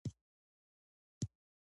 مور ماشوم ته هره ورځ ارام ورکوي.